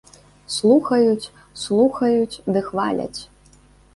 Слухаюць, слухаюць ды хваляць!